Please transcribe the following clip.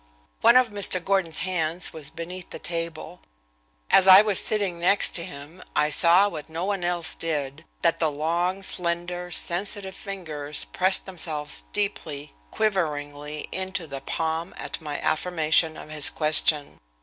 One of Mr. Gordon's hands was beneath the table; as he was sitting next to his I saw what no one else did that the long, slender, sensitive fingers pressed themselves deeply, quiveringly, into the palm at my affirmation of his question.